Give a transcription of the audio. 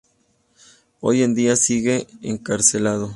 Hoy en día, sigue encarcelado.